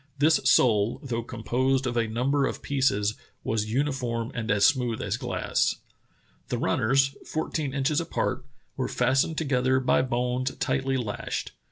This sole, though composed of a number of pieces, was uniform and as smooth as glass. "The runners, fourteen inches apart, were fastened together by bones tightly lashed.